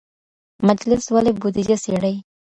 مجلس ولي بودیجه څیړي؟